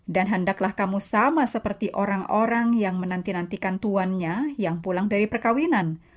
dan handaklah kamu sama seperti orang orang yang menantinantikan tuhannya yang pulang dari perkawinan